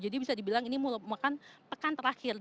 jadi bisa dibilang ini memakan pekan terakhir